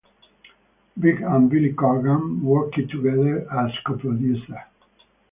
Vig and Billy Corgan worked together as co-producers.